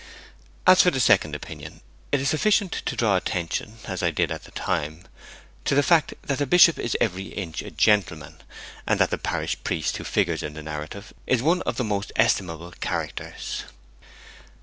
As for the second opinion, it is sufficient to draw attention, as I did at the time, to the fact that the Bishop is every inch a gentleman, and that the parish priest who figures in the narrative is one of its most estimable characters.